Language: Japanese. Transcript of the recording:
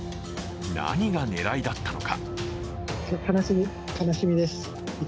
何が狙いだったのか。